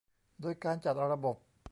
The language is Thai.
โดยการจัดระบบ